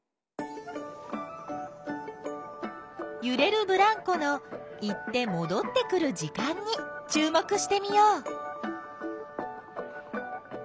ゆれるブランコの行ってもどってくる時間に注目してみよう。